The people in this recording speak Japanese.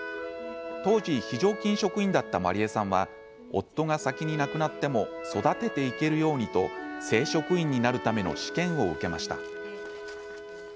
当時、非常勤職員だったまりえさんは夫が先に亡くなっても育てていけるようにと正職員になるための試験を受けました。